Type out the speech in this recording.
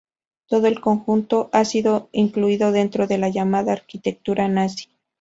Todo el conjunto ha sido incluido dentro de la llamada arquitectura nazi.